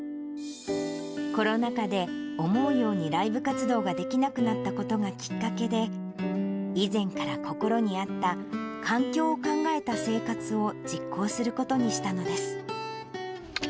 コロナ禍で思うようにライブ活動ができなくなったことがきっかけで、以前から心にあった環境を考えた生活を実行することにしたのです。